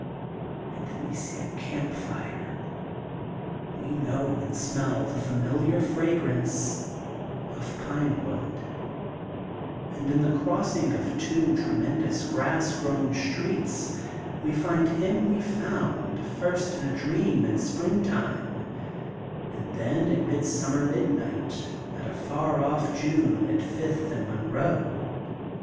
And then we see a campfire we know and smell the familiar fragrance of THE GOLDEN BOOK OF SPRINGFIELD 827 pine wood and, in the crossing of two tre mendous grass grown streets, we find him we found, first in a dream in springtime, and then at midsummer midnight of a far off June at Fifth and Monroe.